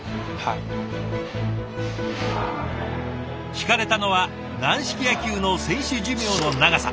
ひかれたのは軟式野球の選手寿命の長さ。